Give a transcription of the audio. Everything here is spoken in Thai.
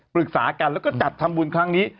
ปรึกษากันแล้วก็จัดทำบุญครั้งนี้